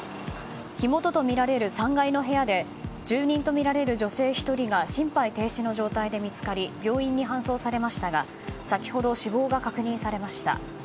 火元とみられる３階の部屋で住人とみられる女性１人が心肺停止の状態で見つかり病院に搬送されましたが先ほど死亡が確認されました。